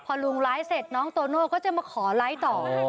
พอลุงไลฟ์เสร็จน้องโตโน่ก็จะมาขอไลฟ์ต่อ